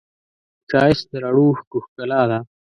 ښایست د رڼو اوښکو ښکلا ده